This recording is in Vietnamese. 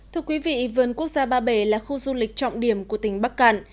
thưa quý vị vườn quốc gia ba bể là khu du lịch trọng điểm của tỉnh bắc cạn